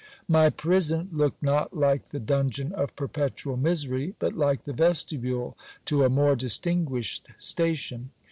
My prison looked not like the dungeon of perpetual misery, but like the vestibule to a more distinguished station.